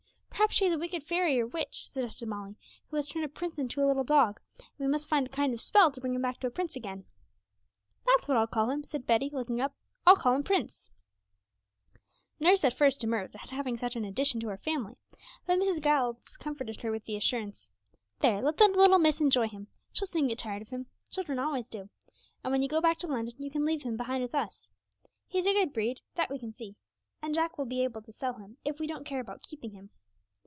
'Perhaps she is a wicked fairy or witch,' suggested Molly, 'who has turned a prince into a little dog, and we must find a kind of spell to bring him back to a prince again.' 'That's what I'll call him,' said Betty, looking up; 'I'll call him Prince.' Nurse at first demurred at having such an addition to her family, but Mrs. Giles comforted her with the assurance 'There, let the little miss enjoy him; she'll soon get tired of him children always do and when you go back to London you can leave him behind with us. He's a good breed, that we can see; and Jack will be able to sell him if we don't care about keeping him.'